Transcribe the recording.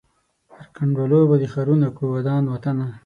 پر کنډوالو به دي ښارونه کړو ودان وطنه